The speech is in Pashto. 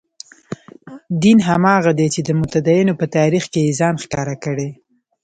دین هماغه دی چې د متدینو په تاریخ کې یې ځان ښکاره کړی.